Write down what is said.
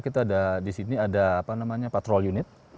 kita ada di sini ada apa namanya patrol unit